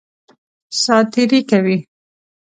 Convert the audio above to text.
سات تېری کوي.